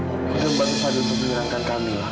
udah membantu fadil untuk menyenangkan kamila